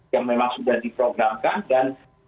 yang memang sudah diprogramkan dan